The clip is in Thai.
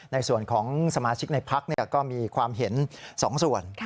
ในส่วนของสมาชิกในพักก็มีความเห็น๒ส่วน